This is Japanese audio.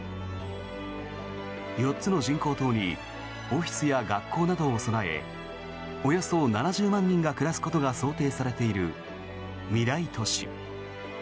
４つの人工島にオフィスや学校などを備えおよそ７０万人が暮らすことが想定されている未来都市。